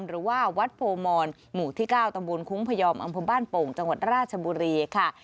หรือว่าวัดโพมอนหมู่ที่๙ตำบลคุ้งพยอมอำเภอบ้านโป่งจังหวัดราชบุรีค่ะ